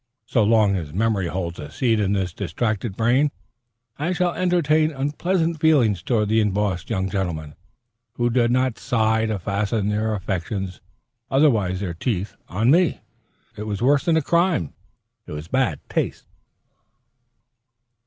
So long as memory holds a seat in this distracted brain, I shall entertain unpleasant feelings toward the embossed young gentlemen who did not sigh to fasten their affections otherwise their teeth on me. It was worse than a crime: it was bad taste.